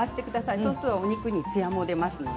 そうするとお肉にツヤが出ます。